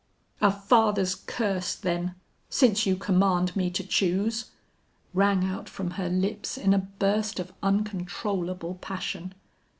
"'A father's curse, then! since you command me to choose,' rang out from her lips in a burst of uncontrollable passion.